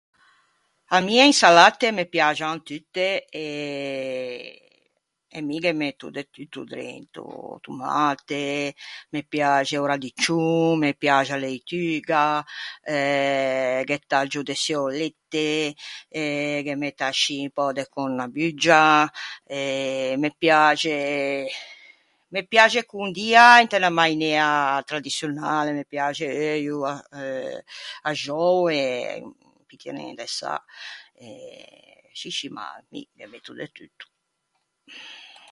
À mi e insalatte me piaxan tutte e e mi ghe metto de tutto drento: tomate, me piaxe o radiccion, me piaxe a leituga, eh, ghe taggio de çioulette, e ghe metto ascì un pö de cornabuggia, e me piaxe... me piaxe condia inte unna mainea tradiçionale, me piaxe euio, euh, axou, e un pittinin de sâ. E... scì scì, ma mi ghe metto de tutto.